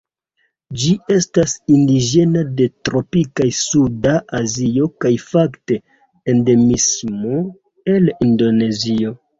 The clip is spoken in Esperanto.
Ĝi estas indiĝena de tropika suda Azio, kaj fakte endemismo el Indonezio.